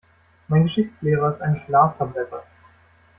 Mein Geschichtslehrer ist eine Schlaftablette.